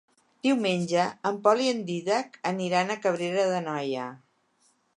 Diumenge en Pol i en Dídac aniran a Cabrera d'Anoia.